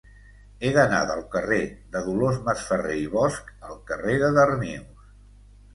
He d'anar del carrer de Dolors Masferrer i Bosch al carrer de Darnius.